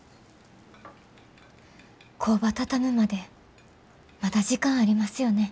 工場畳むまでまだ時間ありますよね？